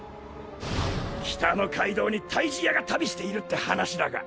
北の街道に退治屋が旅しているって話だが。